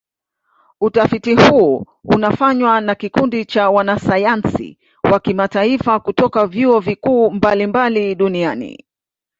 Utafiti huu unafanywa na kikundi cha wanasayansi wa kimataifa kutoka vyuo vikuu mbalimbali duniani